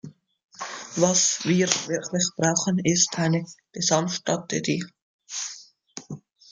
Was wir wirklich brauchen, ist eine Gesamtstrategie.